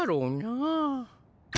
あ！